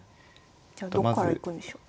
じゃあどっからいくんでしょう？